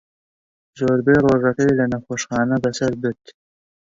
زۆربەی ڕۆژەکەی لە نەخۆشخانە بەسەر برد.